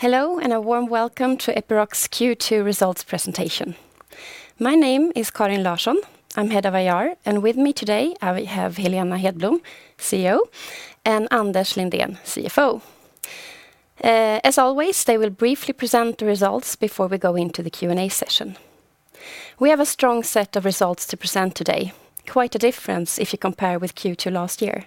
Hello, a warm welcome to Epiroc's Q2 results presentation. My name is Karin Larsson. I'm Head of IR, and with me today we have Helena Hedblom, CEO, and Anders Lindén, CFO. As always, they will briefly present the results before we go into the Q&A session. We have a strong set of results to present today. Quite a difference if you compare with Q2 last year.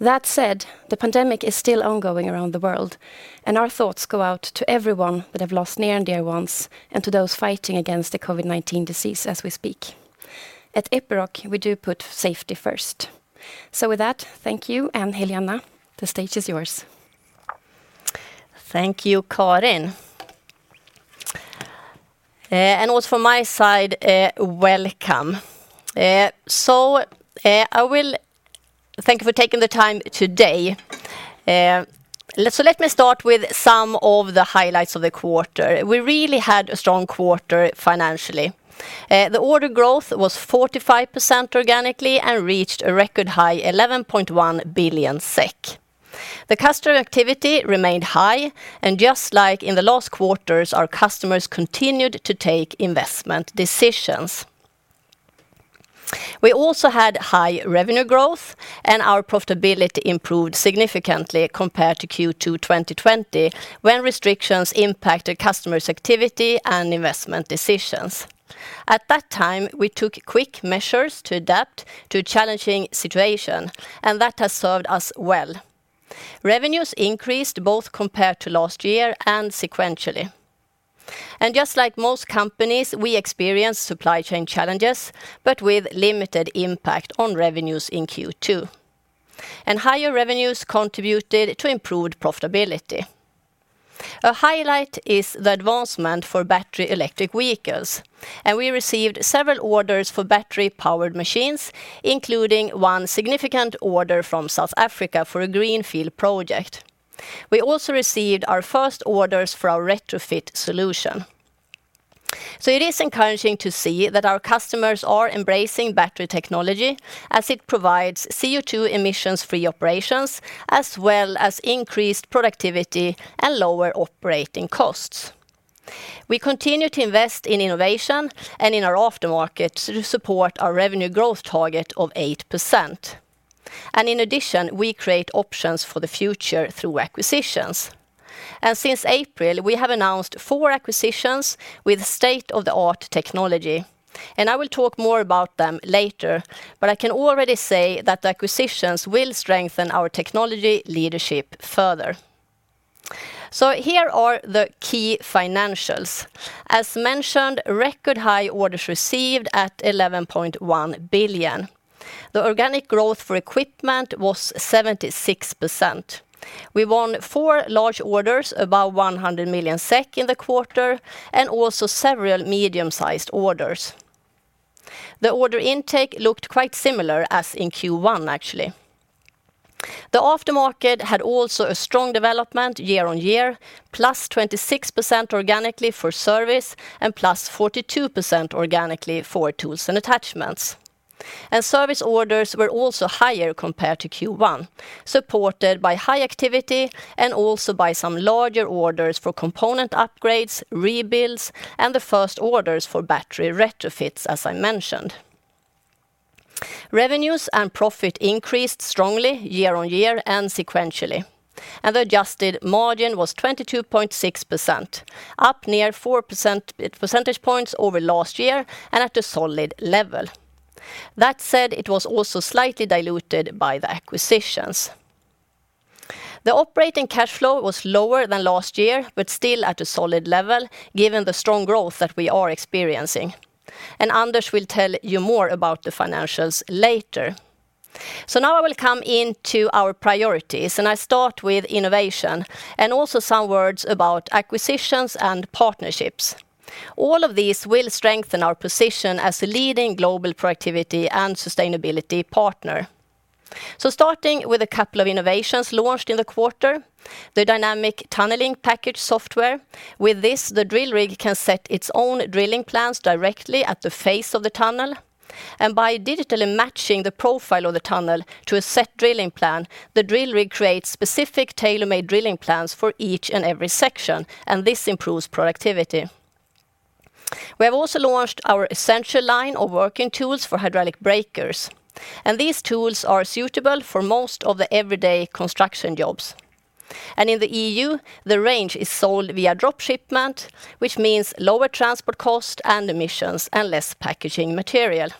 That said, the pandemic is still ongoing around the world, and our thoughts go out to everyone that have lost near and dear ones, and to those fighting against the COVID-19 disease as we speak. At Epiroc, we do put safety first. With that, thank you, and Helena, the stage is yours. Thank you, Karin. Also from my side, welcome. Thank you for taking the time today. Let me start with some of the highlights of the quarter. We really had a strong quarter financially. The order growth was 45% organically and reached a record high 11.1 billion SEK. The customer activity remained high, and just like in the last quarters, our customers continued to take investment decisions. We also had high revenue growth and our profitability improved significantly compared to Q2 2020, when restrictions impacted customers' activity and investment decisions. At that time, we took quick measures to adapt to a challenging situation, and that has served us well. Revenues increased both compared to last year and sequentially. Just like most companies, we experienced supply chain challenges, but with limited impact on revenues in Q2. Higher revenues contributed to improved profitability. A highlight is the advancement for battery electric vehicles, and we received several orders for battery-powered machines, including one significant order from South Africa for a greenfield project. We also received our first orders for our retrofit solution. It is encouraging to see that our customers are embracing battery technology as it provides CO2 emissions-free operations, as well as increased productivity and lower operating costs. We continue to invest in innovation and in our aftermarket to support our revenue growth target of 8%. In addition, we create options for the future through acquisitions. Since April, we have announced four acquisitions with state-of-the-art technology. I will talk more about them later. I can already say that the acquisitions will strengthen our technology leadership further. Here are the key financials. As mentioned, record high orders received at 11.1 billion. The organic growth for equipment was 76%. We won four large orders above 100 million SEK in the quarter, and also several medium-sized orders. The order intake looked quite similar as in Q1, actually. The aftermarket had also a strong development year-on-year, +26% organically for service and +42% organically for tools and attachments. Service orders were also higher compared to Q1, supported by high activity and also by some larger orders for component upgrades, rebuilds, and the first orders for battery retrofits, as I mentioned. Revenues and profit increased strongly year-on-year and sequentially. The adjusted margin was 22.6%, up near 4 percentage points over last year and at a solid level. That said, it was also slightly diluted by the acquisitions. The operating cash flow was lower than last year, but still at a solid level given the strong growth that we are experiencing. Anders will tell you more about the financials later. Now I will come into our priorities, I start with innovation and also some words about acquisitions and partnerships. All of these will strengthen our position as a leading global productivity and sustainability partner. Starting with a couple of innovations launched in the quarter, the Dynamic Tunneling Package software. With this, the drill rig can set its own drilling plans directly at the face of the tunnel. By digitally matching the profile of the tunnel to a set drilling plan, the drill rig creates specific tailor-made drilling plans for each and every section. This improves productivity. We have also launched our EssentialLine of working tools for hydraulic breakers. These tools are suitable for most of the everyday construction jobs. In the EU, the range is sold via drop shipment, which means lower transport cost and emissions and less packaging material.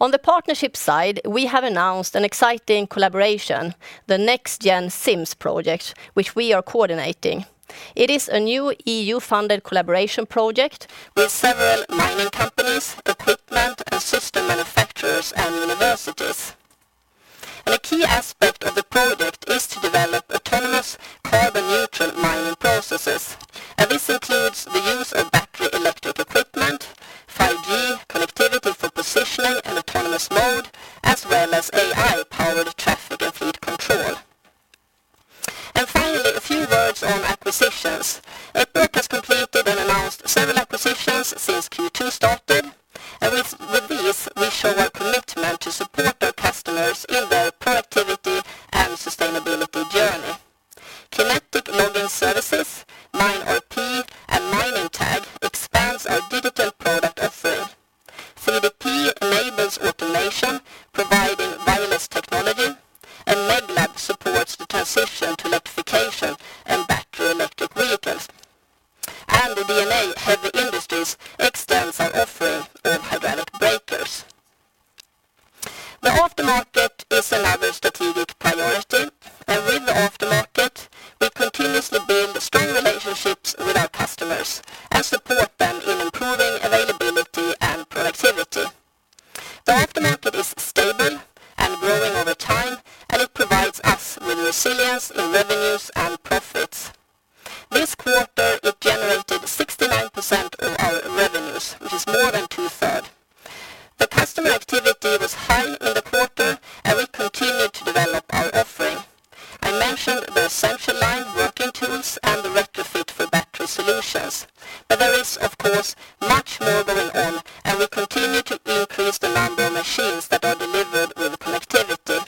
On the partnership side, we have announced an exciting collaboration, the NEXGEN SIMS project, which we are coordinating. It is a new EU-funded collaboration project with several mining companies, equipment and system manufacturers, and universities. A key aspect of the project is to develop autonomous carbon-neutral mining processes. This includes the use of battery electric equipment, 5G connectivity for positioning and autonomous mode, as well as AI-powered traffic and fleet control. Finally, a few words on acquisitions. Epiroc has completed and announced several acquisitions since Q2 started. With these, we show our commitment to support our customers in their productivity and sustainability journey. Connected maintenance services, MineRP, and Mining TAG expands our digital product offering. 3D-P enables automation, providing wireless technology, and Meglab supports the transition to electrification and battery electric vehicles. The DandA Heavy Industries extends our offering of hydraulic breakers. The aftermarket is another strategic priority. With the aftermarket, we continuously build strong relationships with our customers and support them in improving availability and productivity. The aftermarket is stable and growing over time, and it provides us with resilience in revenues and profits. This quarter, it generated 69% of our revenues, which is more than 2/3. The customer activity was high in the quarter, and we continued to develop our offering. I mentioned the EssentialLine working tools and the retrofit for battery solutions. There is, of course, much more going on, and we continue to increase the number of machines that are delivered with connectivity.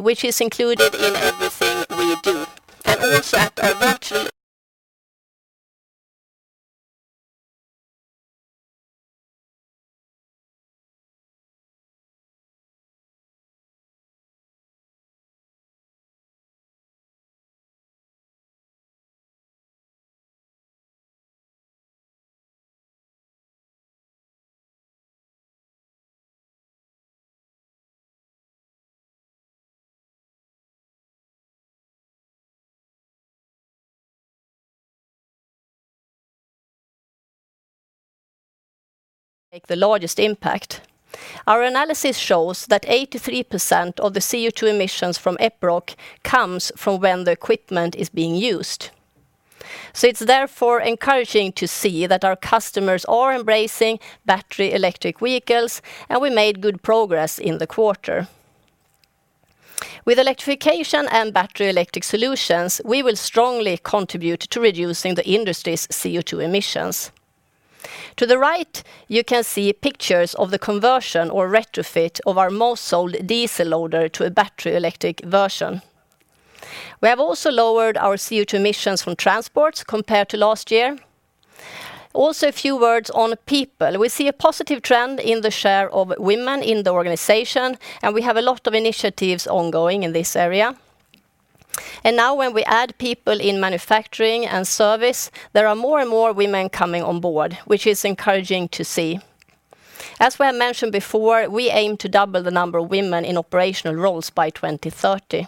which is included in everything we do, and also our virtual. Make the largest impact. Our analysis shows that 83% of the CO2 emissions from Epiroc comes from when the equipment is being used. It's therefore encouraging to see that our customers are embracing battery electric vehicles, and we made good progress in the quarter. With electrification and battery electric solutions, we will strongly contribute to reducing the industry's CO2 emissions. To the right, you can see pictures of the conversion or retrofit of our most sold diesel loader to a battery electric version. We have also lowered our CO2 emissions from transports compared to last year. A few words on people. We see a positive trend in the share of women in the organization, and we have a lot of initiatives ongoing in this area. Now when we add people in manufacturing and service, there are more and more women coming on board, which is encouraging to see. As we have mentioned before, we aim to double the number of women in operational roles by 2030.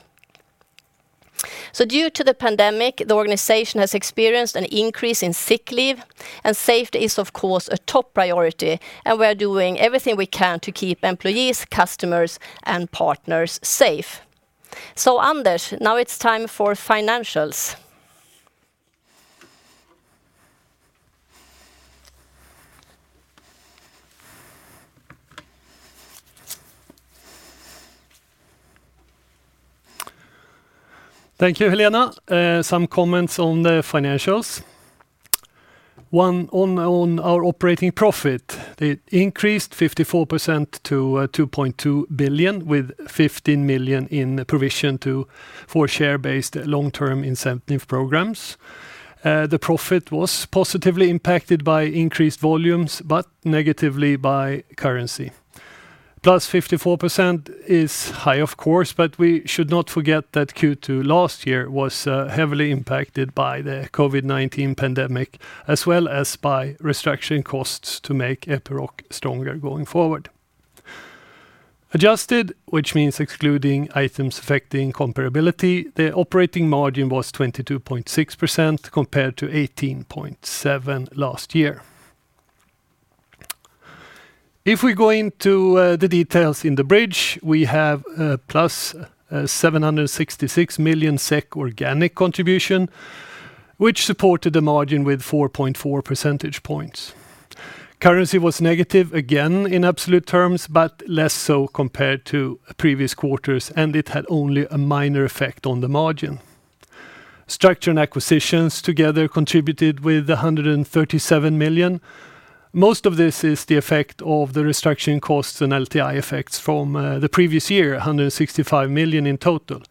Due to the pandemic, the organization has experienced an increase in sick leave, and safety is of course a top priority, and we are doing everything we can to keep employees, customers, and partners safe. Anders, now it's time for financials. Thank you, Helena. Some comments on the financials. One, on our operating profit. It increased 54% to 2.2 billion with 15 million in provision for share-based long-term incentive programs. The profit was positively impacted by increased volumes, but negatively by currency. +54% is high, of course, but we should not forget that Q2 last year was heavily impacted by the COVID-19 pandemic, as well as by restructuring costs to make Epiroc stronger going forward. Adjusted, which means excluding items affecting comparability, the operating margin was 22.6% compared to 18.7% last year. If we go into the details in the bridge, we have +766 million SEK organic contribution, which supported the margin with 4.4 percentage points. Currency was negative again in absolute terms, but less so compared to previous quarters, and it had only a minor effect on the margin. Structure and acquisitions together contributed with 137 million. Most of this is the effect of the restructuring costs and LTI effects from the previous year, 165 million in total.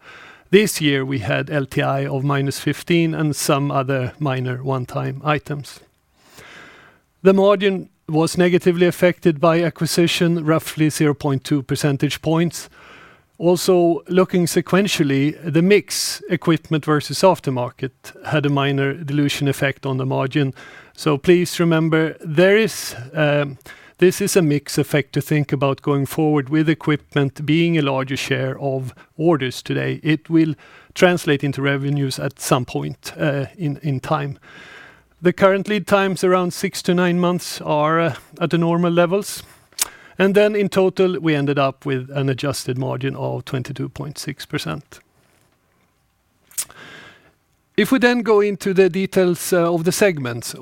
This year, we had LTI of -15 million and some other minor one-time items. The margin was negatively affected by acquisition, roughly 0.2 percentage points. Looking sequentially, the mix equipment versus aftermarket had a minor dilution effect on the margin. Please remember, this is a mix effect to think about going forward. With equipment being a larger share of orders today, it will translate into revenues at some point in time. The current lead times, around six to nine months, are at the normal levels. In total, we ended up with an adjusted margin of 22.6%. If we go into the details of the segments.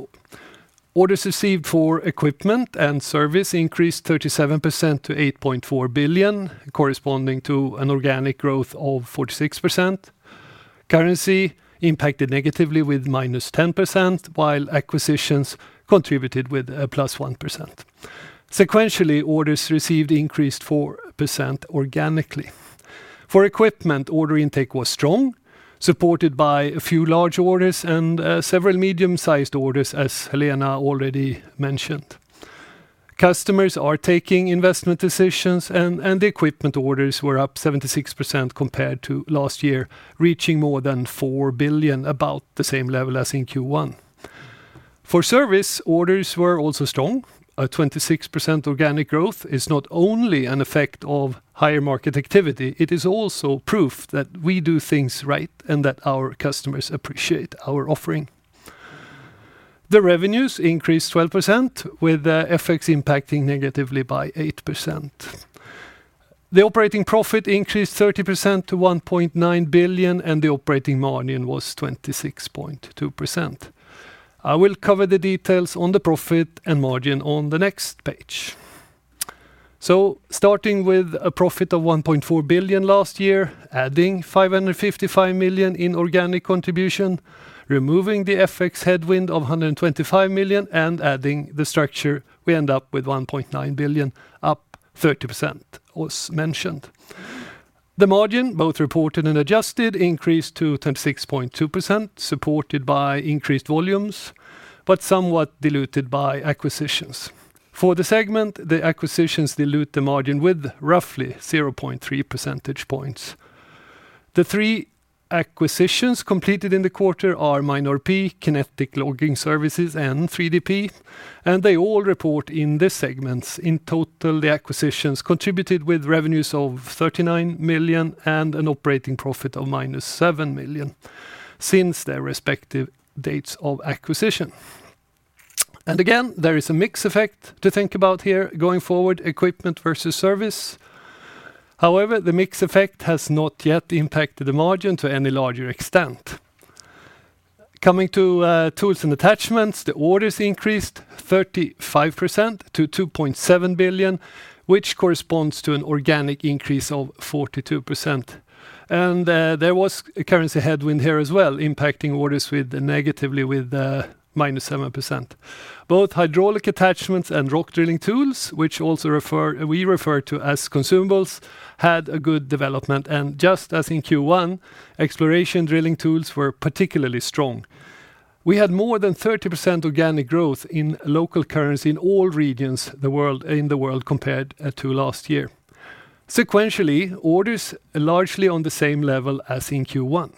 Orders received for equipment and service increased 37% to 8.4 billion, corresponding to an organic growth of 46%. Currency impacted negatively with -10%, while acquisitions contributed with a +1%. Sequentially, orders received increased 4% organically. For equipment, order intake was strong, supported by a few large orders and several medium-sized orders, as Helena already mentioned. Customers are taking investment decisions, and the equipment orders were up 76% compared to last year, reaching more than 4 billion, about the same level as in Q1. For service, orders were also strong. A 26% organic growth is not only an effect of higher market activity, it is also proof that we do things right and that our customers appreciate our offering. The revenues increased 12%, with FX impacting negatively by 8%. The operating profit increased 30% to 1.9 billion, and the operating margin was 26.2%. I will cover the details on the profit and margin on the next page. Starting with a profit of 1.4 billion last year, adding 555 million in organic contribution, removing the FX headwind of 125 million and adding the structure, we end up with 1.9 billion, up 30%, as mentioned. The margin, both reported and adjusted, increased to 26.2%, supported by increased volumes, but somewhat diluted by acquisitions. For the segment, the acquisitions dilute the margin with roughly 0.3 percentage points. The three acquisitions completed in the quarter are MineRP, Kinetic Logging Services, and 3D-P, and they all report in these segments. In total, the acquisitions contributed with revenues of 39 million and an operating profit of -7 million since their respective dates of acquisition. Again, there is a mix effect to think about here going forward, equipment versus service. However, the mix effect has not yet impacted the margin to any larger extent. Coming to tools and attachments, the orders increased 35% to 2.7 billion, which corresponds to an organic increase of 42%. There was a currency headwind here as well, impacting orders negatively with -7%. Both hydraulic attachments and rock drilling tools, which also we refer to as consumables, had a good development. Just as in Q1, exploration drilling tools were particularly strong. We had more than 30% organic growth in local currency in all regions in the world compared to last year. Sequentially, orders are largely on the same level as in Q1.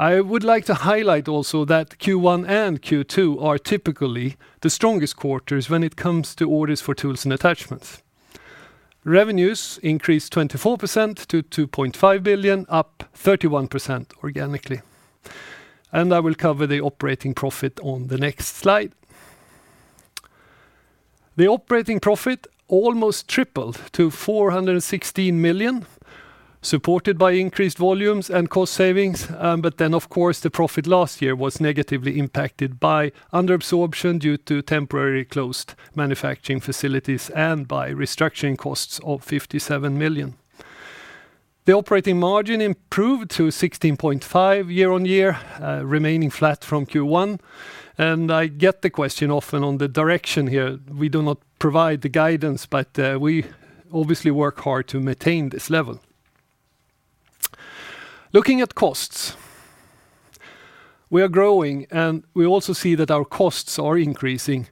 I would like to highlight also that Q1 and Q2 are typically the strongest quarters when it comes to orders for tools and attachments. Revenues increased 24% to 2.5 billion, up 31% organically. I will cover the operating profit on the next slide. The operating profit almost tripled to 416 million, supported by increased volumes and cost savings. Of course, the profit last year was negatively impacted by under absorption due to temporarily closed manufacturing facilities and by restructuring costs of 57 million. The operating margin improved to 16.5% year-on-year, remaining flat from Q1. I get the question often on the direction here. We do not provide the guidance, but we obviously work hard to maintain this level. Looking at costs. We are growing, and we also see that our costs are increasing.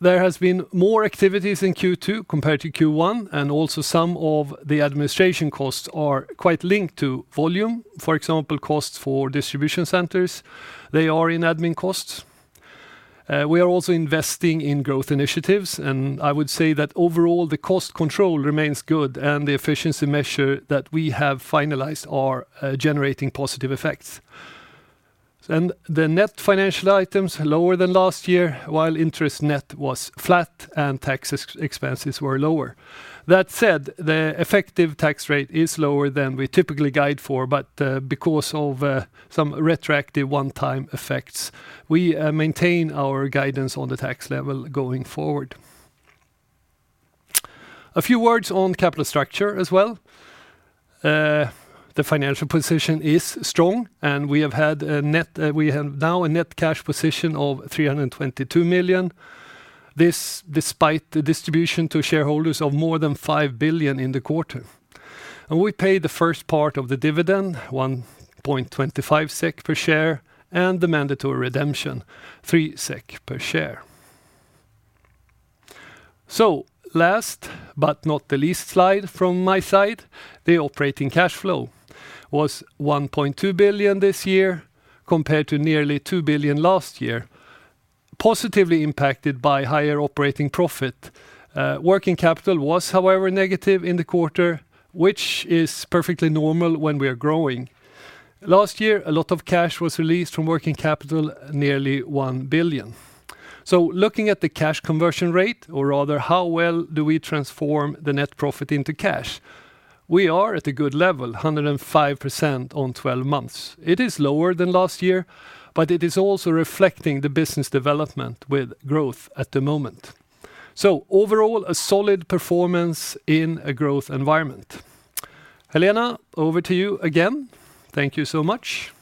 There has been more activities in Q2 compared to Q1, and also some of the administration costs are quite linked to volume. For example, costs for distribution centers, they are in admin costs. We are also investing in growth initiatives. I would say that overall the cost control remains good and the efficiency measure that we have finalized are generating positive effects. The net financial items lower than last year, while interest net was flat and tax expenses were lower. That said, the effective tax rate is lower than we typically guide for. Because of some retroactive one-time effects, we maintain our guidance on the tax level going forward. A few words on capital structure as well. The financial position is strong, and we have now a net cash position of 322 million. This despite the distribution to shareholders of more than 5 billion in the quarter. We paid the first part of the dividend, 1.25 SEK per share, and the mandatory redemption, 3 SEK per share. Last but not the least slide from my side, the operating cash flow was 1.2 billion this year compared to nearly 2 billion last year, positively impacted by higher operating profit. Working capital was, however, negative in the quarter, which is perfectly normal when we are growing. Last year, a lot of cash was released from working capital, nearly 1 billion. Looking at the cash conversion rate, or rather how well do we transform the net profit into cash, we are at a good level, 105% on 12 months. It is lower than last year, but it is also reflecting the business development with growth at the moment. Overall, a solid performance in a growth environment. Helena, over to you again. Thank you so much.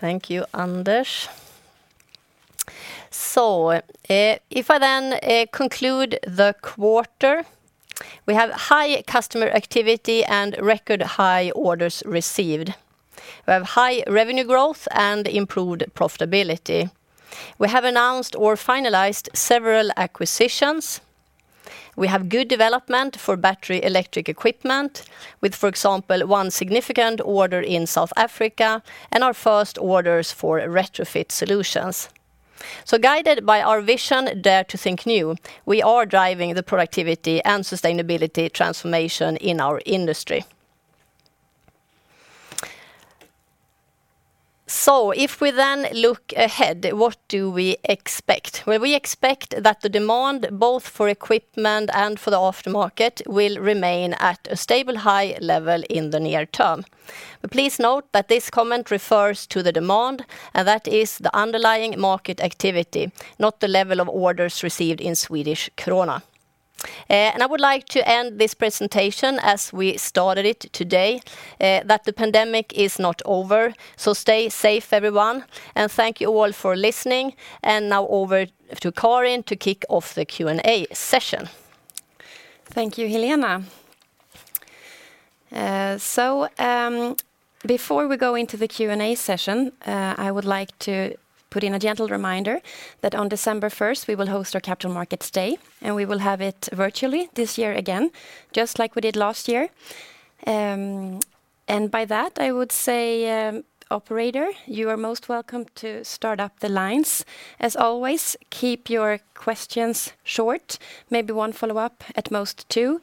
Thank you, Anders. If I then conclude the quarter, we have high customer activity and record high orders received. We have high revenue growth and improved profitability. We have announced or finalized several acquisitions. We have good development for battery-electric equipment with, for example, 1 significant order in South Africa and our first orders for retrofit solutions. Guided by our vision, Dare to Think New, we are driving the productivity and sustainability transformation in our industry. If we then look ahead, what do we expect? Well, we expect that the demand, both for equipment and for the aftermarket, will remain at a stable high level in the near term. Please note that this comment refers to the demand, and that is the underlying market activity, not the level of orders received in Swedish krona. I would like to end this presentation as we started it today, that the pandemic is not over. Stay safe, everyone, and thank you all for listening. Now over to Karin to kick off the Q&A session. Thank you, Helena. Before we go into the Q&A session, I would like to put in a gentle reminder that on December 1st, we will host our Capital Markets Day, and we will have it virtually this year again, just like we did last year. By that, I would say, operator, you are most welcome to start up the lines. As always, keep your questions short, maybe one follow-up, at most two.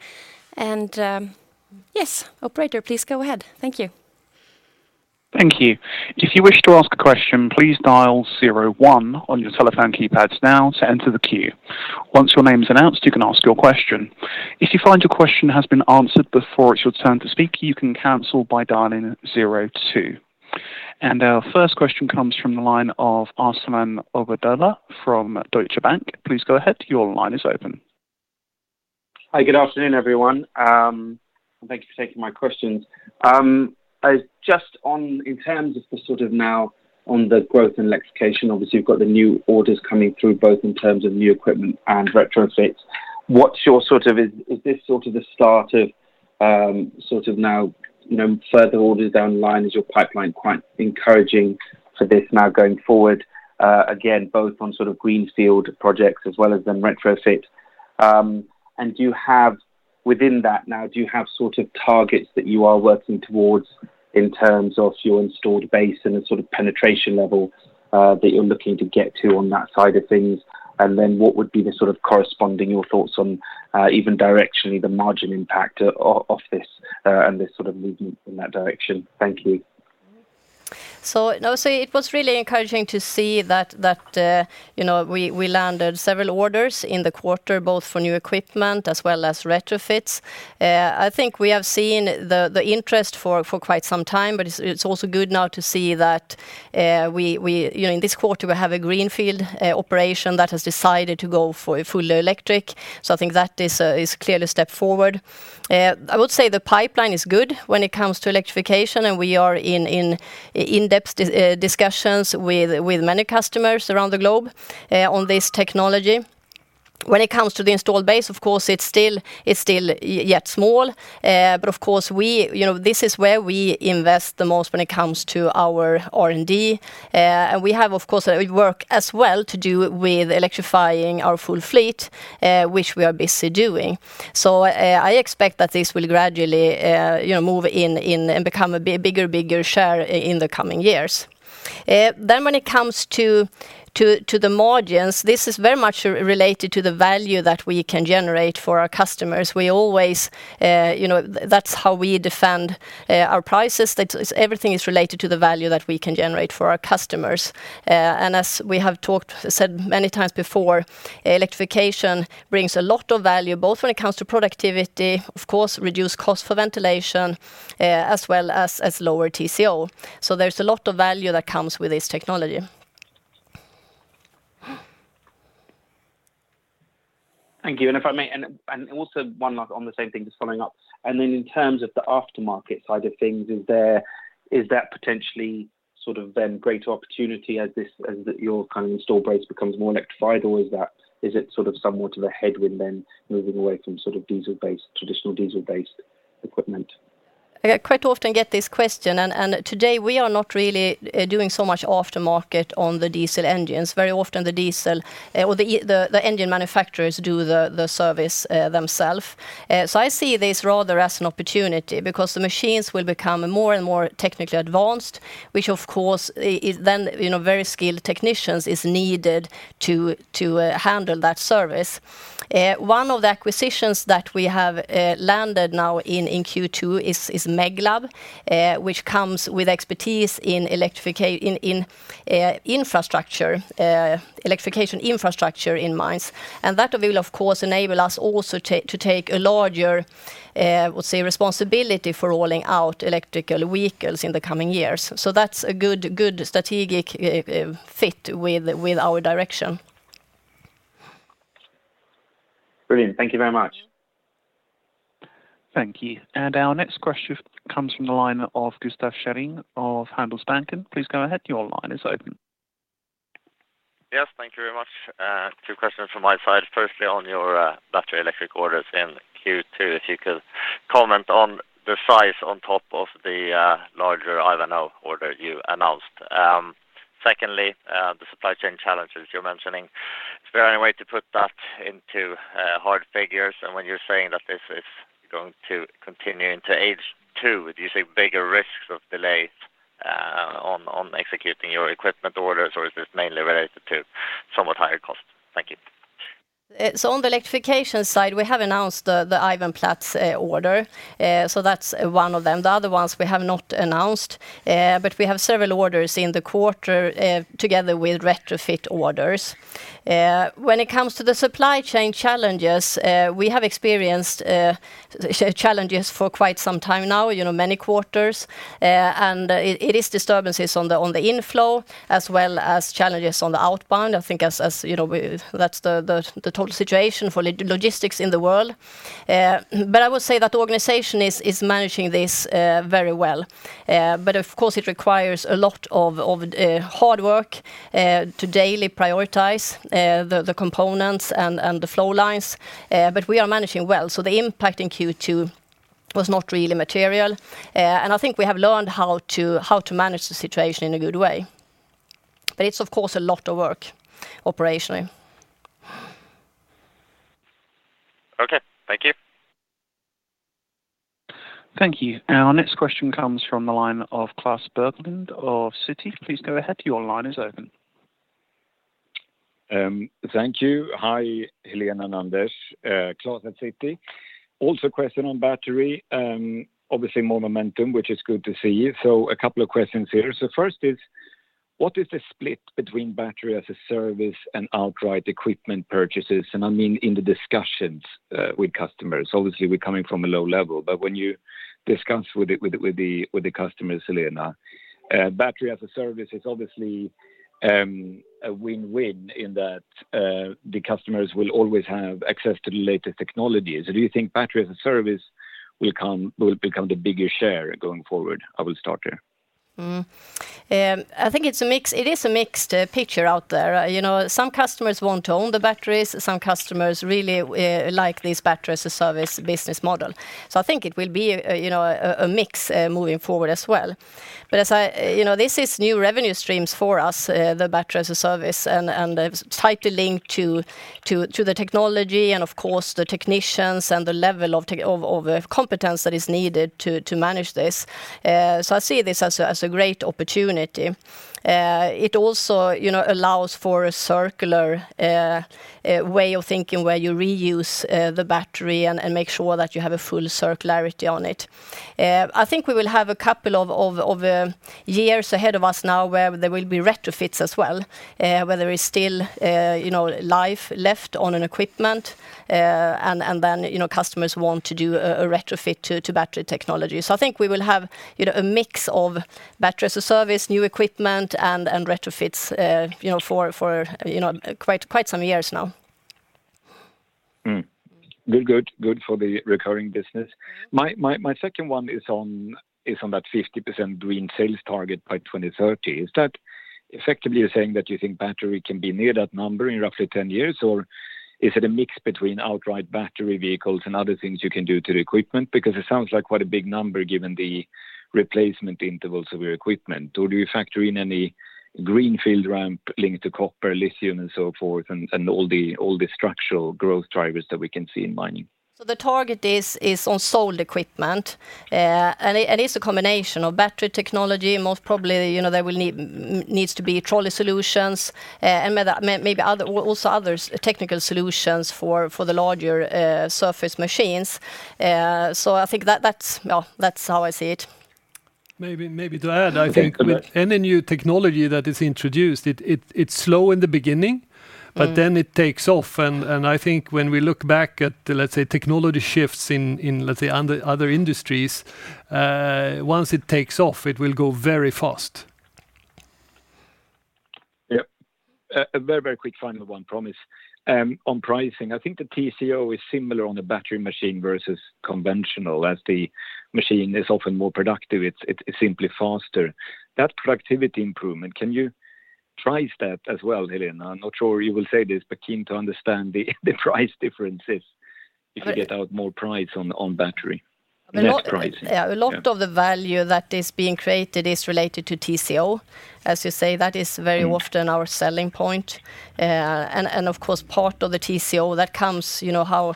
Yes, operator, please go ahead. Thank you. Thank you. If you wish to ask a question, please dial zero one on your telephone keypads now to enter the queue. Once your name's announced, you can ask your question. If you find your question has been answered before it's your turn to speak, you can cancel by dialing zero two. Our first question comes from the line of Arsalan Obaidullah from Deutsche Bank. Please go ahead. Your line is open. Hi. Good afternoon, everyone. Thank you for taking my questions. Just in terms of the growth in electrification, obviously, you've got the new orders coming through, both in terms of new equipment and retrofits. Is this the start of now further orders down the line? Is your pipeline quite encouraging for this now going forward, again, both on greenfield projects as well as then retrofit? Within that now, do you have targets that you are working towards in terms of your installed base and penetration level that you're looking to get to on that side of things? What would be the corresponding, your thoughts on, even directionally, the margin impact of this and this movement in that direction? Thank you. It was really encouraging to see that we landed several orders in the quarter, both for new equipment as well as retrofits. I think we have seen the interest for quite some time, but it's also good now to see that in this quarter, we have a greenfield operation that has decided to go for fully electric. I think that is clearly a step forward. I would say the pipeline is good when it comes to electrification, and we are in in-depth discussions with many customers around the globe on this technology. When it comes to the installed base, of course, it's still yet small. Of course, this is where we invest the most when it comes to our R&D. We have, of course, work as well to do with electrifying our full fleet, which we are busy doing. I expect that this will gradually move in and become a bigger share in the coming years. When it comes to the margins, this is very much related to the value that we can generate for our customers. That's how we defend our prices, that everything is related to the value that we can generate for our customers. As we have said many times before, electrification brings a lot of value, both when it comes to productivity, of course, reduced cost for ventilation, as well as lower TCO. There's a lot of value that comes with this technology. Thank you. If I may, and also one more on the same thing, just following up. In terms of the aftermarket side of things, is that potentially then greater opportunity as your kind of installed base becomes more electrified, or is it sort of somewhat of a headwind then moving away from traditional diesel-based equipment? I quite often get this question, and today we are not really doing so much aftermarket on the diesel engines. Very often the engine manufacturers do the service themselves. I see this rather as an opportunity because the machines will become more and more technically advanced, which of course, then very skilled technicians is needed to handle that service. One of the acquisitions that we have landed now in Q2 is Meglab, which comes with expertise in electrification infrastructure in mines. That will, of course, enable us also to take a larger, I would say, responsibility for rolling out electrical vehicles in the coming years. That's a good strategic fit with our direction. Brilliant. Thank you very much. Thank you. Our next question comes from the line of Gustaf Schwerin of Handelsbanken. Please go ahead. Your line is open. Thank you very much. Two questions from my side. Firstly, on your battery electric orders in Q2, if you could comment on the size on top of the larger Ivanhoe order you announced. Secondly, the supply chain challenges you're mentioning. Is there any way to put that into hard figures? When you're saying that this is going to continue into H2, do you see bigger risks of delays on executing your equipment orders, or is this mainly related to somewhat higher cost? Thank you. On the electrification side, we have announced the Ivanplats order. That's one of them. The other ones we have not announced, but we have several orders in the quarter, together with retrofit orders. When it comes to the supply chain challenges, we have experienced challenges for quite some time now, many quarters. It is disturbances on the inflow as well as challenges on the outbound, I think that's the total situation for logistics in the world. I would say that the organization is managing this very well. Of course, it requires a lot of hard work to daily prioritize the components and the flow lines. We are managing well. The impact in Q2 was not really material. I think we have learned how to manage the situation in a good way. It's of course, a lot of work operationally. Okay. Thank you. Thank you. Our next question comes from the line of Klas Bergelind of Citi. Please go ahead. Your line is open. Thank you. Hi, Helena and Anders. Klas at Citi. Also a question on battery. Obviously more momentum, which is good to see. A couple of questions here. First is, what is the split between battery as a service and outright equipment purchases? I mean, in the discussions with customers, obviously we're coming from a low level, but when you discuss with the customers, Helena, battery as a service is obviously a win-win in that the customers will always have access to the latest technologies. Do you think battery as a service will become the bigger share going forward? I will start there. I think it is a mixed picture out there. Some customers want to own the batteries. Some customers really like this battery as a service business model. I think it will be a mix moving forward as well. This is new revenue streams for us, the battery as a service, and tightly linked to the technology and of course, the technicians and the level of competence that is needed to manage this. I see this as a great opportunity. It also allows for a circular way of thinking where you reuse the battery and make sure that you have a full circularity on it. I think we will have a couple of years ahead of us now where there will be retrofits as well, where there is still life left on an equipment, and then customers want to do a retrofit to battery technology. I think we will have a mix of battery as a service, new equipment, and retrofits for quite some years now. Good for the recurring business. My second one is on that 50% green sales target by 2030. Is that effectively you're saying that you think battery can be near that number in roughly 10 years, or is it a mix between outright battery vehicles and other things you can do to the equipment? Because it sounds like quite a big number given the replacement intervals of your equipment. Or do you factor in any greenfield ramp linked to copper, lithium, and so forth, and all the structural growth drivers that we can see in mining? The target is on sold equipment, and it is a combination of battery technology, most probably, there needs to be trolley solutions, and maybe also other technical solutions for the larger surface machines. I think that's how I see it. Maybe to add. Okay. Go ahead. With any new technology that is introduced, it's slow in the beginning, but then it takes off. I think when we look back at, let's say, technology shifts in, let's say, other industries, once it takes off, it will go very fast. Yep. A very quick final one, promise. On pricing, I think the TCO is similar on the battery machine versus conventional, as the machine is often more productive. It's simply faster. That productivity improvement, can you price that as well, Helena? I'm not sure you will say this, but keen to understand the price differences if you get out more price on battery. Net pricing. Yeah. A lot of the value that is being created is related to TCO. As you say, that is very often our selling point. Of course, part of the TCO, that comes how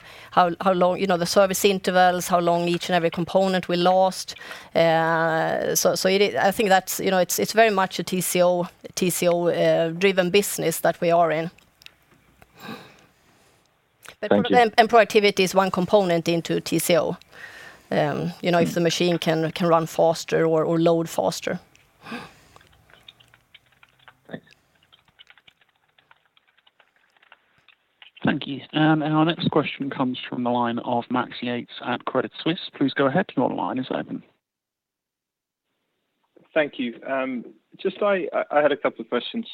long the service intervals, how long each and every component will last. I think it's very much a TCO-driven business that we are in. Thank you. Productivity is one component into TCO. If the machine can run faster or load faster. Thanks. Thank you. Our next question comes from the line of Max Yates at Credit Suisse. Please go ahead. Your line is open. Thank you. Just I had two questions.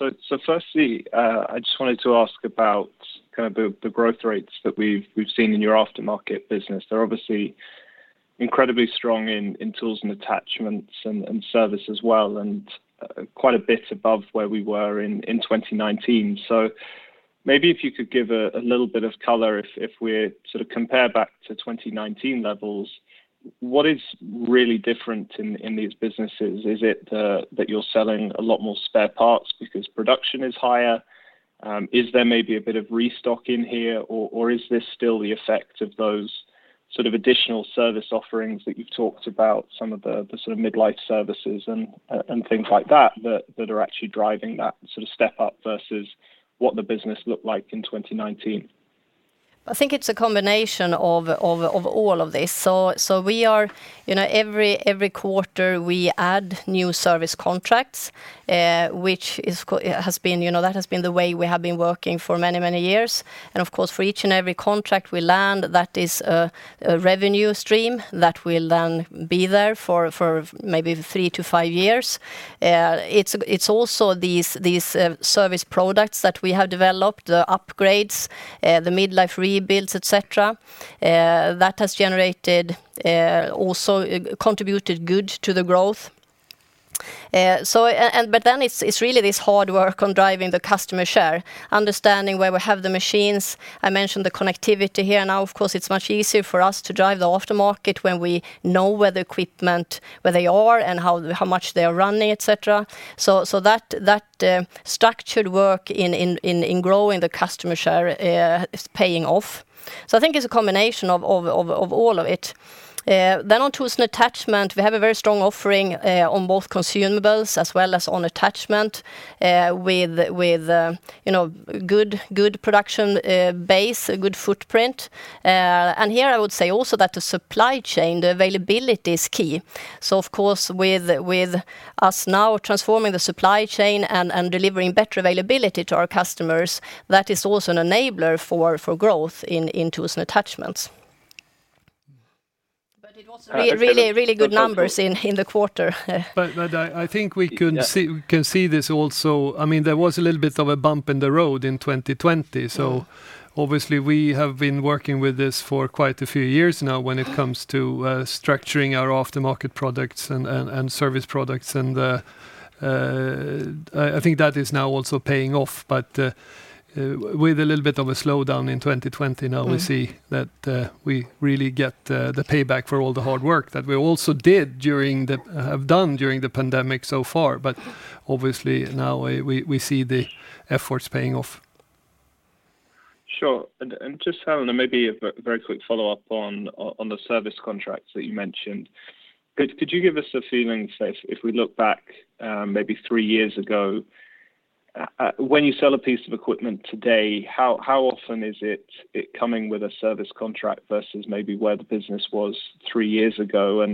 Firstly, I just wanted to ask about the growth rates that we've seen in your aftermarket business. They're obviously incredibly strong in tools and attachments, and service as well, and quite a bit above where we were in 2019. Maybe if you could give a little bit of color if we compare back to 2019 levels, what is really different in these businesses? Is it that you're selling a lot more spare parts because production is higher? Is there maybe a bit of restock in here, or is this still the effect of those additional service offerings that you've talked about, some of the midlife services and things like that are actually driving that step up versus what the business looked like in 2019? I think it's a combination of all of this. Every quarter, we add new service contracts, that has been the way we have been working for many, many years. For each and every contract we land, that is a revenue stream that will be there for maybe three to five years. These service products that we have developed, the upgrades, the midlife rebuilds, et cetera, that has also contributed good to the growth. It's really this hard work on driving the customer share, understanding where we have the machines. I mentioned the connectivity here. It's much easier for us to drive the aftermarket when we know where the equipment, where they are, and how much they are running, et cetera. That structured work in growing the customer share is paying off. I think it's a combination of all of it. On tools and attachment, we have a very strong offering on both consumables as well as on attachment, with good production base, a good footprint. Here I would say also that the supply chain, the availability is key. Of course, with us now transforming the supply chain and delivering better availability to our customers, that is also an enabler for growth in tools and attachments. It was really good numbers in the quarter. I think we can see this also. There was a little bit of a bump in the road in 2020. Obviously, we have been working with this for quite a few years now when it comes to structuring our aftermarket products and service products. I think that is now also paying off, but with a little bit of a slowdown in 2020, now we see that we really get the payback for all the hard work that we also have done during the pandemic so far. Obviously, now we see the efforts paying off. Sure. Just Helena, maybe a very quick follow-up on the service contracts that you mentioned. Could you give us a feeling, say, if we look back maybe three years ago, when you sell a piece of equipment today, how often is it coming with a service contract versus maybe where the business was three years ago?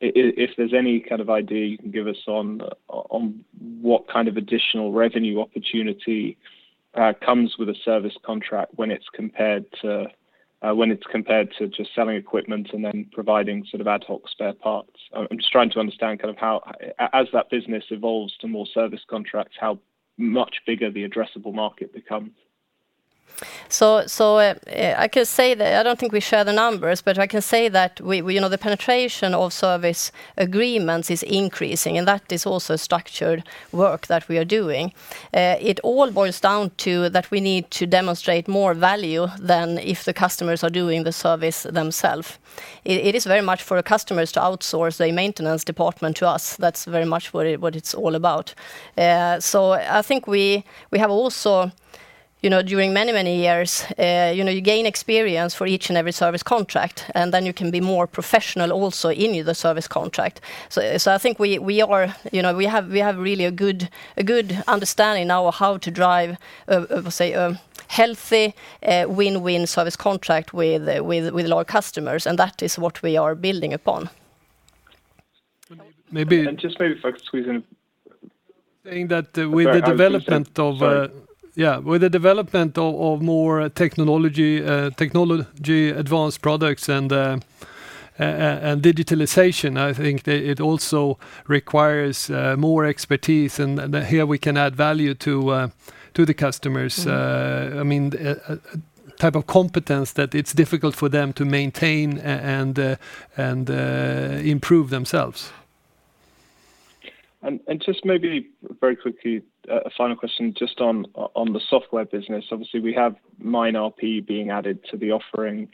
If there's any kind of idea you can give us on what kind of additional revenue opportunity comes with a service contract when it's compared to just selling equipment and then providing ad hoc spare parts. I'm just trying to understand as that business evolves to more service contracts, how much bigger the addressable market becomes. I don't think we share the numbers, but I can say that the penetration of service agreements is increasing, and that is also structured work that we are doing. It all boils down to that we need to demonstrate more value than if the customers are doing the service themselves. It is very much for customers to outsource a maintenance department to us. That's very much what it's all about. I think we have also, during many years, you gain experience for each and every service contract, and then you can be more professional also in the service contract. I think we have really a good understanding now of how to drive, say, a healthy win-win service contract with our customers, and that is what we are building upon. Maybe. Just maybe if I could squeeze in. Saying that with the development of. Sorry. Yeah. With the development of more technology, advanced products, and digitalization, I think that it also requires more expertise, and here we can add value to the customers. A type of competence that it's difficult for them to maintain and improve themselves. Just maybe very quickly, a final question just on the software business. Obviously, we have MineRP being added to the offering.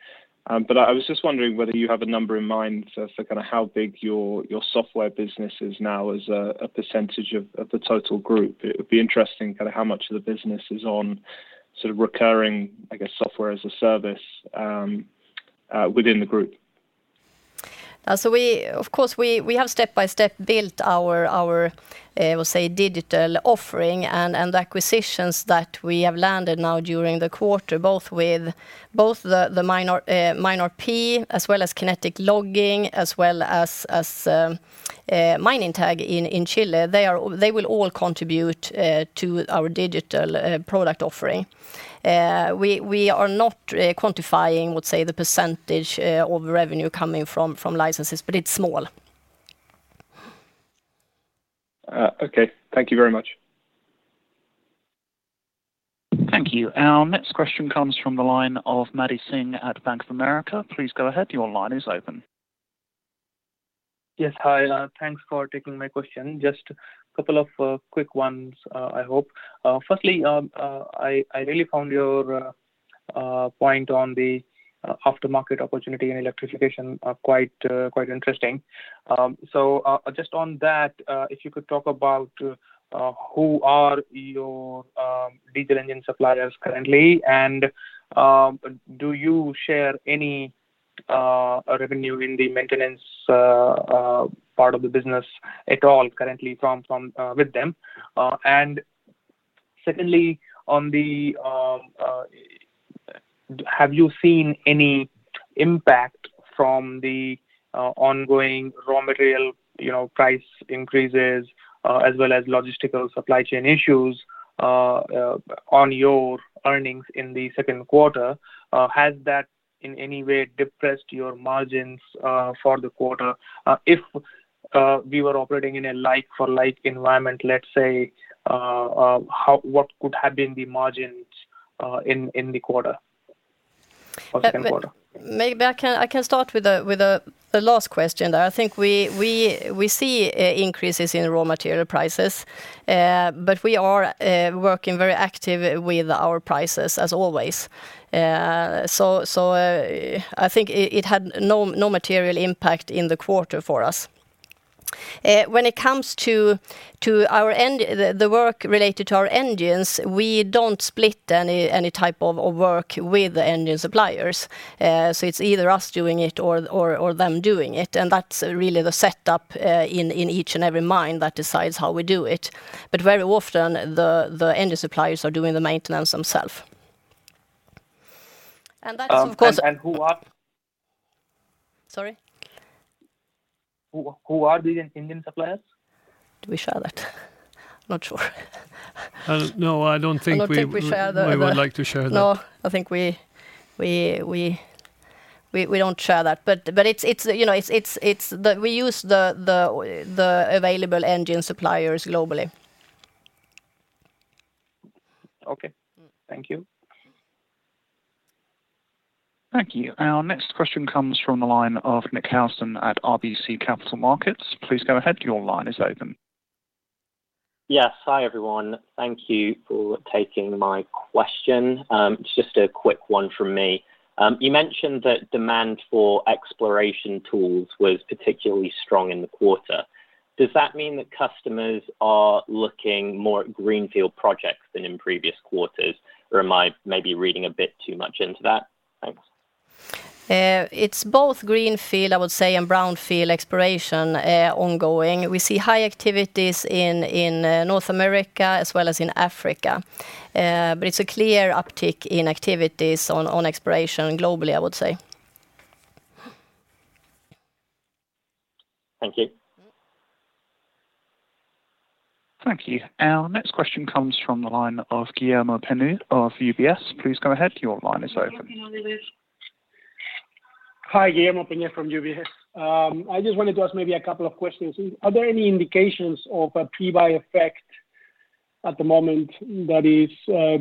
I was just wondering whether you have a number in mind for how big your software business is now as a percentage of the total group. It would be interesting, how much of the business is on recurring, I guess, software as a service within the group. Of course, we have step by step built our, we'll say, digital offering and acquisitions that we have landed now during the quarter, both the MineRP as well as Kinetic Logging, as well as Mining TAG in Chile. They will all contribute to our digital product offering. We are not quantifying, we'll say, the percentage of revenue coming from licenses, but it's small. Okay. Thank you very much. Thank you. Our next question comes from the line of Maddy Singh at Bank of America. Please go ahead. Your line is open. Yes, hi. Thanks for taking my question. Just a couple of quick ones, I hope. Firstly, I really found your point on the aftermarket opportunity and electrification quite interesting. Just on that, if you could talk about who are your diesel engine suppliers currently, and do you share any revenue in the maintenance part of the business at all currently with them? Secondly, have you seen any impact from the ongoing raw material price increases, as well as logistical supply chain issues on your earnings in the second quarter? Has that in any way depressed your margins for the quarter? If we were operating in a like for like environment, let's say, what could have been the margins in the quarter, for second quarter? Maybe I can start with the last question there. I think we see increases in raw material prices. We are working very active with our prices as always. I think it had no material impact in the quarter for us. When it comes to the work related to our engines, we don't split any type of work with the engine suppliers. It's either us doing it or them doing it, and that's really the setup in each and every mine that decides how we do it. Very often, the engine suppliers are doing the maintenance themself. That's, of course. And who are. Sorry? Who are the engine suppliers? Do we share that? I'm not sure. No, I don't think we. I don't think we share the. We would like to share that. No, I think we don't share that. We use the available engine suppliers globally. Okay. Thank you. Thank you. Our next question comes from the line of Nick Housden at RBC Capital Markets. Please go ahead. Your line is open. Yes. Hi, everyone. Thank you for taking my question. It's just a quick one from me. You mentioned that demand for exploration tools was particularly strong in the quarter. Does that mean that customers are looking more at greenfield projects than in previous quarters, or am I maybe reading a bit too much into that? Thanks. It's both greenfield, I would say, and brownfield exploration ongoing. We see high activities in North America as well as in Africa. It's a clear uptick in activities on exploration globally, I would say. Thank you. Thank you. Our next question comes from the line of Guillermo Peigneux of UBS. Please go ahead. Your line is open. Hi, Guillermo Peigneux from UBS. I just wanted to ask maybe a couple of questions. Are there any indications of a pre-buy effect at the moment that is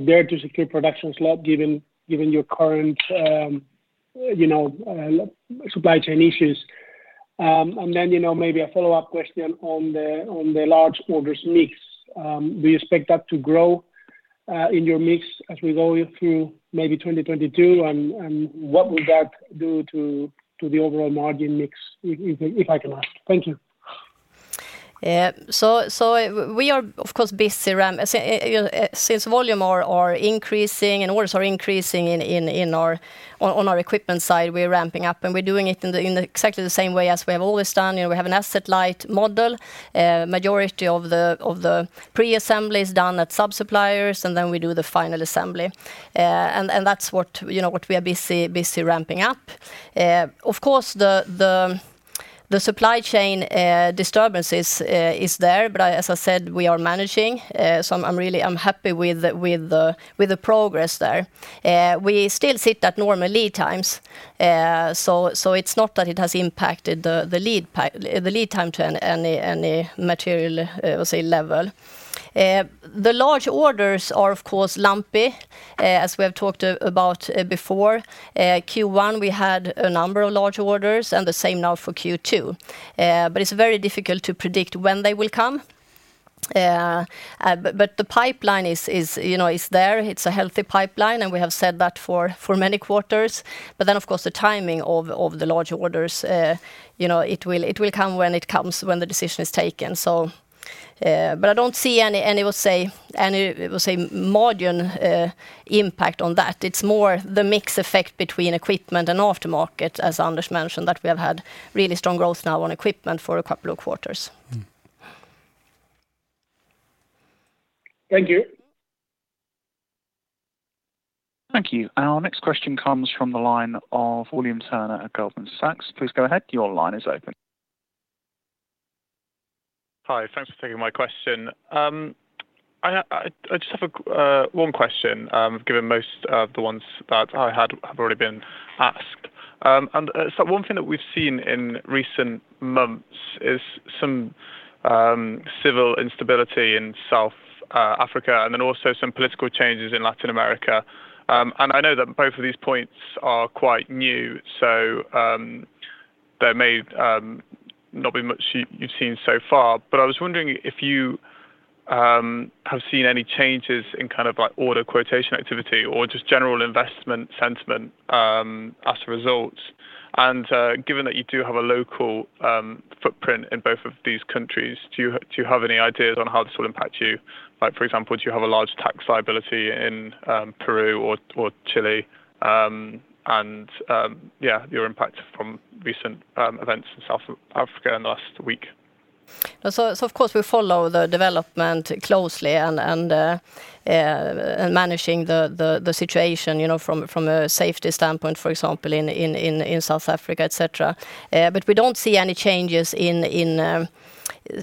there to secure production slot, given your current supply chain issues? Maybe a follow-up question on the large orders mix. Do you expect that to grow in your mix as we go through maybe 2022? What would that do to the overall margin mix, if I can ask? Thank you. We are of course busy ramp. Since volume are increasing and orders are increasing on our equipment side, we're ramping up and we're doing it in exactly the same way as we have always done. We have an asset light model. Majority of the pre-assembly is done at sub-suppliers, we do the final assembly. That's what we are busy ramping up. Of course, the supply chain disturbance is there, as I said, we are managing, I'm happy with the progress there. We still sit at normal lead times, it's not that it has impacted the lead time to any material, I would say, level. The large orders are of course lumpy, as we have talked about before. Q1, we had a number of large orders and the same now for Q2. It's very difficult to predict when they will come. The pipeline is there. It's a healthy pipeline and we have said that for many quarters. Of course the timing of the large orders, it will come when it comes, when the decision is taken. I don't see any, we'll say, margin impact on that. It's more the mix effect between equipment and aftermarket, as Anders mentioned, that we have had really strong growth now on equipment for a couple of quarters. Thank you. Thank you. Our next question comes from the line of William Turner at Goldman Sachs. Please go ahead. Your line is open. Hi, thanks for taking my question. I just have one question, given most of the ones that I had have already been asked. One thing that we've seen in recent months is some civil instability in South Africa, and then also some political changes in Latin America. I know that both of these two points are quite new, so there may not be much you've seen so far, but I was wondering if you have seen any changes in order quotation activity or just general investment sentiment, as a result. Given that you do have a local footprint in both of these countries, do you have any ideas on how this will impact you? For example, do you have a large tax liability in Peru or Chile? Your impact from recent events in South Africa in the last week? Of course, we follow the development closely and managing the situation from a safety standpoint, for example, in South Africa, et cetera. We don't see any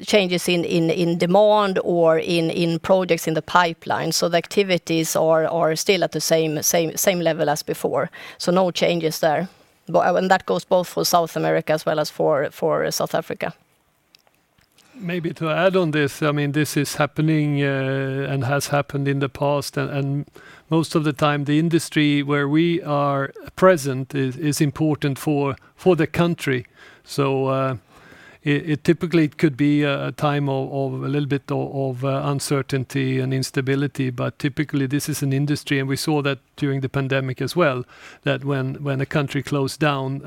changes in demand or in projects in the pipeline. The activities are still at the same level as before. No changes there. That goes both for South America as well as for South Africa. Maybe to add on this is happening and has happened in the past, and most of the time, the industry where we are present is important for the country. Typically it could be a time of a little bit of uncertainty and instability, but typically this is an industry, and we saw that during the pandemic as well, that when a country closed down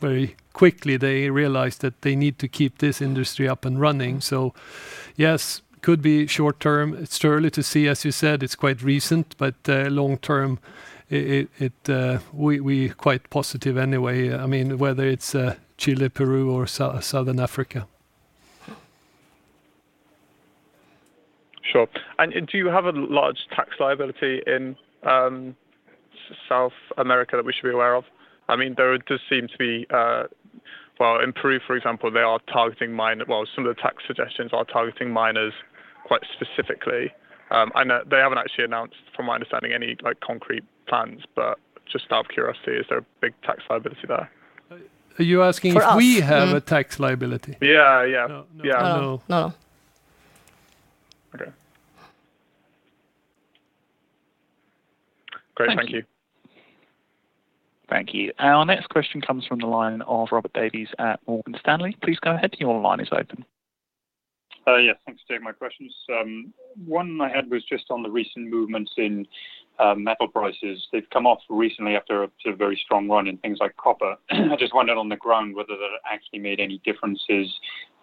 very quickly, they realized that they need to keep this industry up and running. Yes, could be short term. It's too early to see, as you said, it's quite recent, but long term, we quite positive anyway. Whether it's Chile, Peru, or Southern Africa. Sure. Do you have a large tax liability in South America that we should be aware of? There does seem to be, well, in Peru, for example, some of the tax suggestions are targeting miners quite specifically. I know they haven't actually announced, from my understanding, any concrete plans, but just out of curiosity, is there a big tax liability there? Are you asking if we? For us. A tax liability? Yeah. No. No. Okay. Great. Thank you. Thank you. Our next question comes from the line of Robert Davies at Morgan Stanley. Please go ahead. Your line is open. Yes, thanks for taking my questions. One I had was just on the recent movements in metal prices. They've come off recently after a very strong run in things like copper. I just wondered on the ground whether that had actually made any differences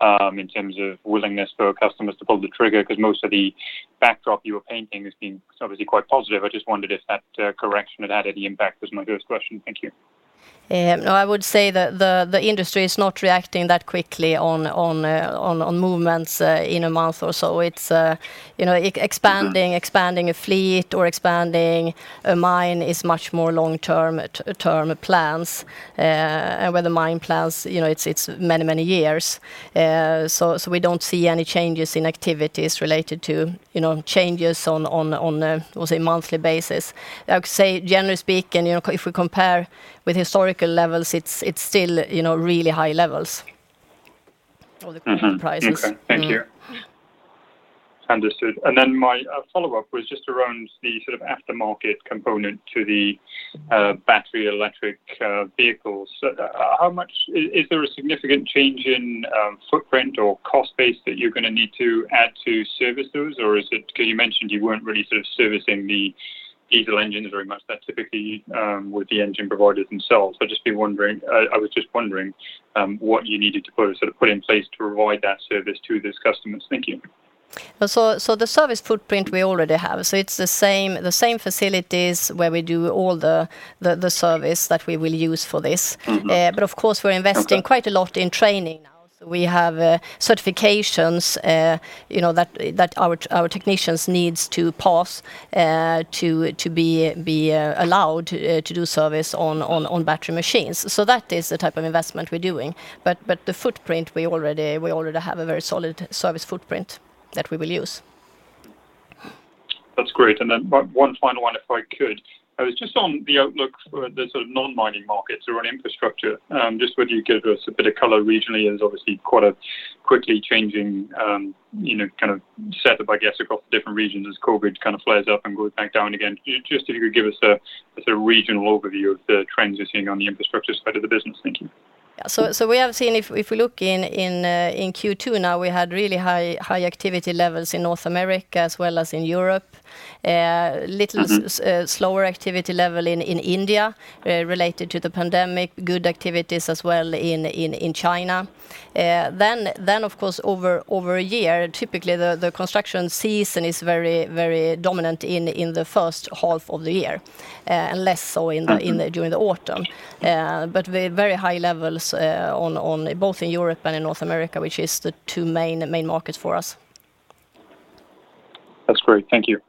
in terms of willingness for customers to pull the trigger, because most of the backdrop you're painting has been obviously quite positive. I just wondered if that correction had had any impact was my first question? Thank you. No, I would say that the industry is not reacting that quickly on movements in one month or so. Expanding a fleet or expanding a mine is much more long term plans. With the mine plans, it's many years. We don't see any changes in activities related to changes on a, we'll say, monthly basis. I would say generally speaking, if we compare with historical levels, it's still really high levels. Okay. Thank you. Understood. My follow-up was just around the aftermarket component to the battery electric vehicles. Is there a significant change in footprint or cost base that you're going to need to add to service those? Because you mentioned you weren't really servicing the diesel engines very much. That typically, with the engine providers themselves. I was just wondering what you needed to put in place to provide that service to those customers. Thank you. The service footprint we already have. It's the same facilities where we do all the service that we will use for this. Mm-hmm. Okay. Of course, we're investing quite a lot in training now. We have certifications that our technicians need to pass to be allowed to do service on battery machines. That is the type of investment we're doing. The footprint, we already have a very solid service footprint that we will use. That's great. Then one final one, if I could. It was just on the outlook for the non-mining markets around infrastructure. Just whether you could give us a bit of color regionally, as obviously quite a quickly changing setup, I guess, across the different regions as COVID flares up and goes back down again. Just if you could give us a regional overview of the trends you're seeing on the infrastructure side of the business. Thank you. Yeah. We have seen, if we look in Q2 now, we had really high activity levels in North America as well as in Europe. Little slower activity level in India, related to the pandemic. Good activities as well in China. Of course, over a year, typically, the construction season is very dominant in the first half of the year. During the autumn. Very high levels both in Europe and in North America, which is the two main markets for us. That's great. Thank you.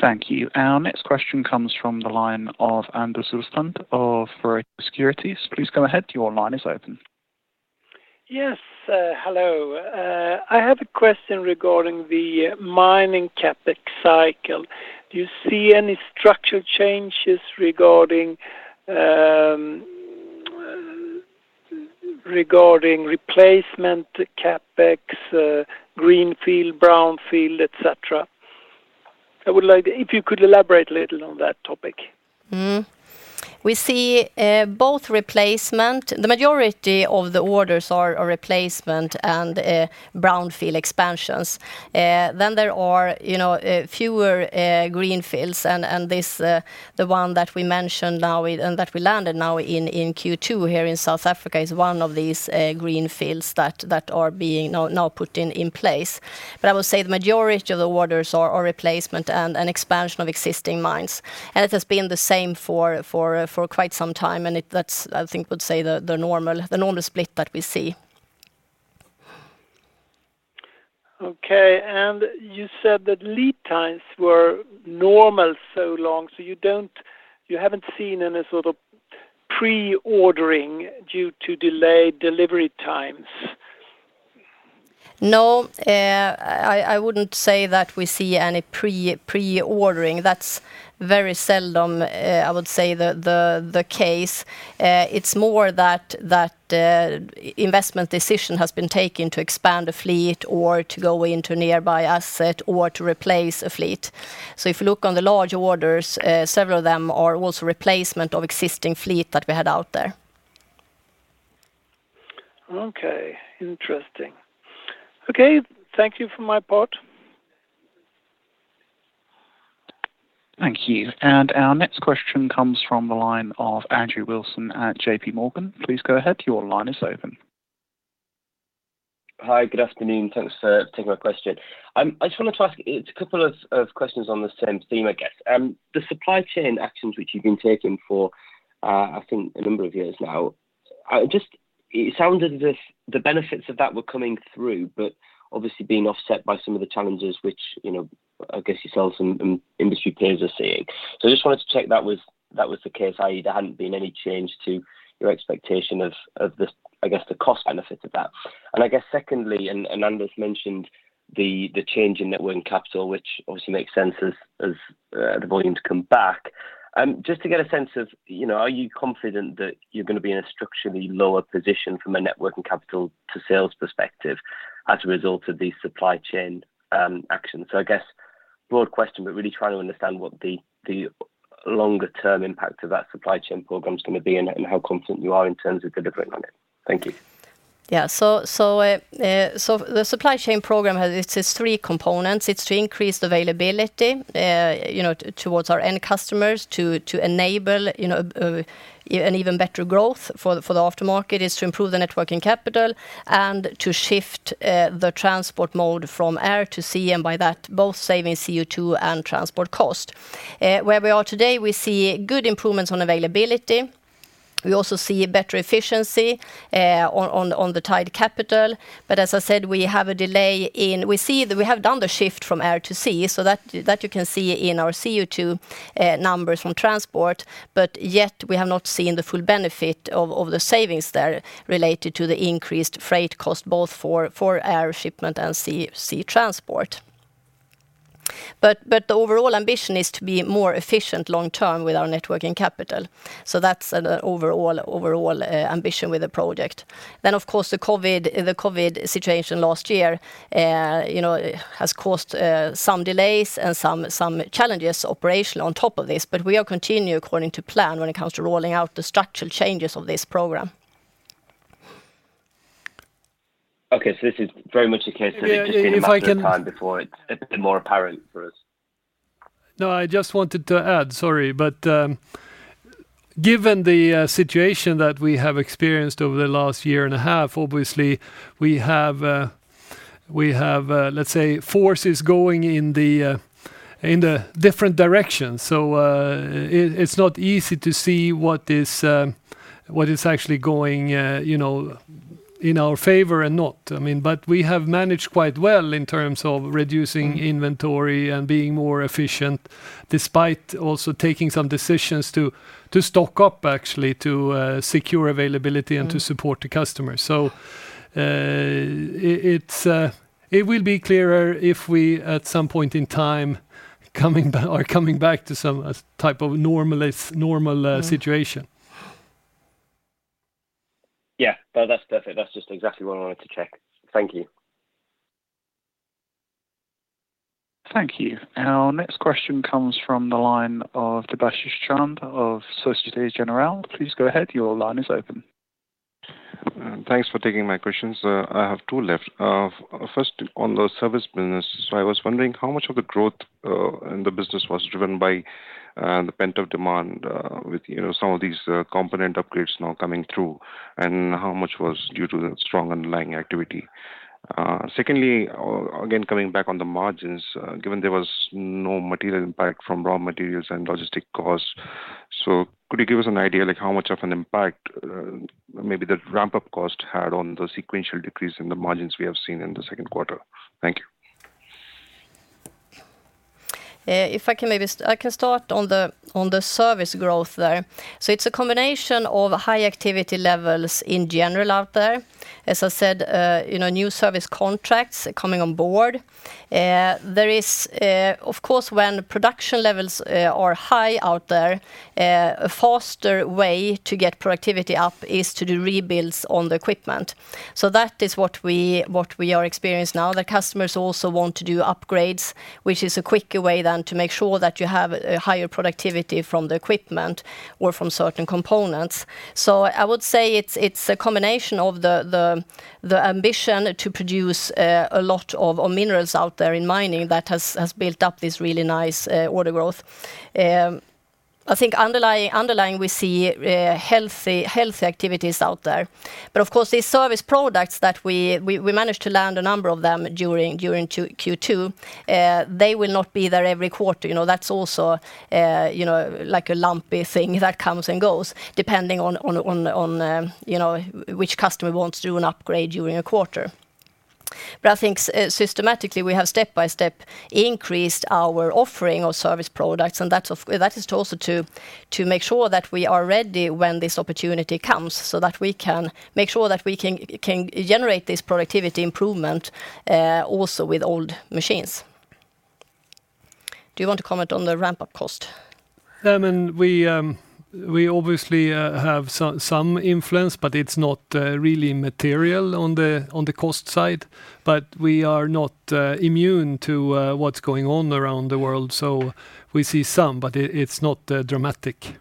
Thank you. Our next question comes from the line of Anders Roslund of Pareto Securities. Please go ahead. Your line is open. Yes. Hello. I have a question regarding the mining CapEx cycle. Do you see any structure changes regarding replacement CapEx, greenfield, brownfield, et cetera? If you could elaborate a little on that topic. We see both replacement. The majority of the orders are replacement and brownfield expansions. There are fewer greenfields, and the one that we mentioned now and that we landed now in Q2 here in South Africa is one of these greenfields that are being now put in place. I would say the majority of the orders are replacement and an expansion of existing mines. It has been the same for quite some time, and that's, I think, we'd say, the normal split that we see. Okay. You said that lead times were normal so long, so you haven't seen any sort of pre-ordering due to delayed delivery times? No, I wouldn't say that we see any pre-ordering. That's very seldom, I would say, the case. It's more that investment decision has been taken to expand a fleet or to go into nearby asset or to replace a fleet. If you look on the large orders, several of them are also replacement of existing fleet that we had out there. Okay. Interesting. Okay. Thank you for my part. Thank you. Our next question comes from the line of Andrew Wilson at JPMorgan. Please go ahead. Your line is open. Hi. Good afternoon. Thanks for taking my question. I just wanted to ask a couple of questions on the same theme, I guess. The supply chain actions which you've been taking for, I think, a number of years now, it sounded as if the benefits of that were coming through, obviously being offset by some of the challenges, which I guess yourselves and industry peers are seeing. I just wanted to check that was the case, i.e., there hadn't been any change to your expectation of the cost benefit of that. I guess secondly, Anders mentioned the change in net working capital, which obviously makes sense as the volumes come back. Just to get a sense of, are you confident that you're going to be in a structurally lower position from a net working capital to sales perspective as a result of these supply chain actions? I guess, broad question, but really trying to understand what the longer term impact of that supply chain program is going to be and how confident you are in terms of delivering on it. Thank you. The supply chain program has three components. It's to increase availability towards our end customers, to enable an even better growth for the aftermarket. It's to improve the net working capital and to shift the transport mode from air to sea, and by that, both saving CO2 and transport cost. Where we are today, we see good improvements on availability. We also see better efficiency on the tied capital. As I said, we have done the shift from air to sea, so that you can see in our CO2 numbers from transport, but yet we have not seen the full benefit of the savings there related to the increased freight cost, both for air shipment and sea transport. The overall ambition is to be more efficient long-term with our net working capital. That's the overall ambition with the project. Of course, the COVID-19 situation last year has caused some delays and some challenges operationally on top of this, but we are continue according to plan when it comes to rolling out the structural changes of this program. Okay. This is very much the case. Yeah, if I can. It's just been a matter of time before it's more apparent for us. No, I just wanted to add, sorry. Given the situation that we have experienced over the last year and a half, obviously we have, let's say, forces going in the different directions. It's not easy to see what is actually going in our favor and not. We have managed quite well in terms of reducing inventory and being more efficient despite also taking some decisions to stock up, actually, to secure availability and to support the customers. It will be clearer if we, at some point in time, are coming back to some type of normal situation. Yeah. No, that's perfect. That's just exactly what I wanted to check. Thank you. Thank you. Our next question comes from the line of Debashis Chand of Societe Generale. Please go ahead, your line is open. Thanks for taking my questions. I have two left. First, on the service business. I was wondering how much of the growth in the business was driven by the pent-up demand with some of these component upgrades now coming through, and how much was due to the strong underlying activity? Secondly, again coming back on the margins, given there was no material impact from raw materials and logistic costs, could you give us an idea, like how much of an impact maybe the ramp-up cost had on the sequential decrease in the margins we have seen in the second quarter? Thank you. I can start on the service growth there. It's a combination of high activity levels in general out there. As I said, new service contracts coming on board. Of course, when production levels are high out there, a faster way to get productivity up is to do rebuilds on the equipment. That is what we are experienced now. The customers also want to do upgrades, which is a quicker way than to make sure that you have a higher productivity from the equipment or from certain components. I would say it's a combination of the ambition to produce a lot of minerals out there in mining that has built up this really nice order growth. I think underlying, we see healthy activities out there. Of course, these service products that we managed to land a number of them during Q2, they will not be there every quarter. That's also a lumpy thing that comes and goes depending on which customer wants to do an upgrade during a quarter. I think systematically, we have step-by-step increased our offering of service products, and that is also to make sure that we are ready when this opportunity comes, so that we can make sure that we can generate this productivity improvement also with old machines. Do you want to comment on the ramp-up cost? We obviously have some influence, it's not really material on the cost side. We are not immune to what's going on around the world. We see some, but it's not dramatic.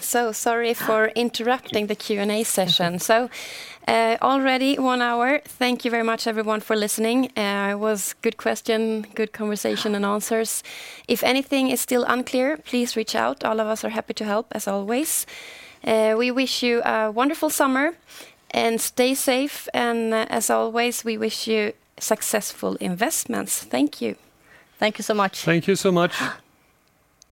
Sorry for interrupting the Q&A session. Already one hour. Thank you very much, everyone, for listening. It was good question, good conversation, and answers. If anything is still unclear, please reach out. All of us are happy to help, as always. We wish you a wonderful summer, and stay safe, and as always, we wish you successful investments. Thank you. Thank you so much. Thank you so much.